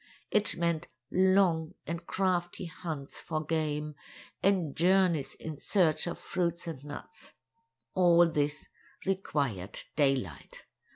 It meant long and crafty hunts for game, and journeys in search of fruits and nuts. All this required daylight.